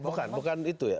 bukan bukan itu ya